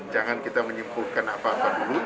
jangan kita menyimpulkan apa apa dulu